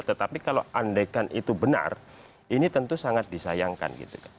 tetapi kalau andaikan itu benar ini tentu sangat disayangkan gitu kan